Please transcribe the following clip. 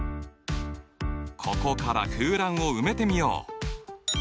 ここから空欄を埋めてみよう。